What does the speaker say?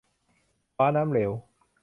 คว้าน้ำเหลว